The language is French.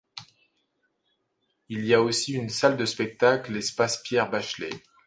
Il y a aussi une salle de spectacle l'espace Pierre Bachelet.